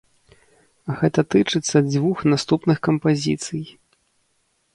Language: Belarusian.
Гэта тычыцца дзвюх наступных кампазіцый.